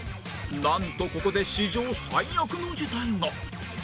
なんとここで史上最悪の事態が！